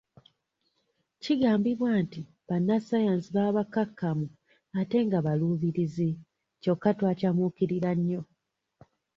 Kigambibwa nti bannassaayansi baba bakkakkamu ate nga baluubirizi, kyokka twacamuukirira nnyo.